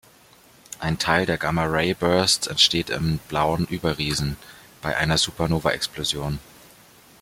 Ein Teil der Gamma Ray Bursts entsteht in Blauen Überriesen bei einer Supernovaexplosion.